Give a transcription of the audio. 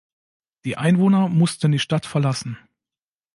Die Einwohner mussten die Stadt verlassen.